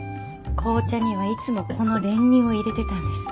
紅茶にはいつもこの練乳を入れてたんです。